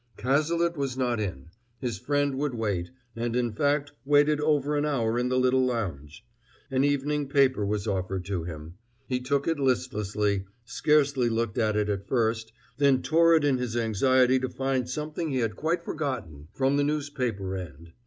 Cazalet was not in; his friend would wait, and in fact waited over an hour in the little lounge. An evening paper was offered to him; he took it listlessly, scarcely looked at it at first, then tore it in his anxiety to find something he had quite forgotten from the newspaper end.